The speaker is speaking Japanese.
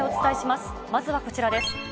まずはこちらです。